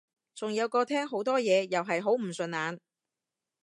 仲有個廳好多嘢又係好唔順眼